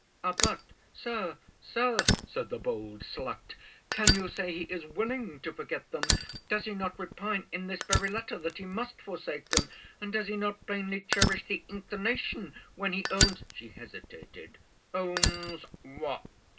"Ah! but, Sir, Sir," said the bold slut, "can you say he is willing to forget them? Does he not repine in this very letter, that he must forsake them; and does he not plainly cherish the inclination, when he owns " She hesitated "Owns what?"